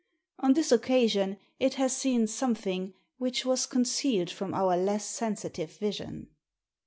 On this occasion it has seen something which was con cealed from our less sensitive vision."